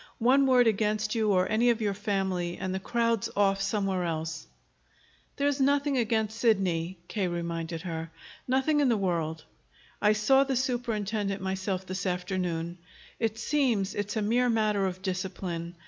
One word against you or any of your family, and the crowd's off somewhere else." "There's nothing against Sidney," K. reminded her. "Nothing in the world. I saw the superintendent myself this afternoon. It seems it's a mere matter of discipline.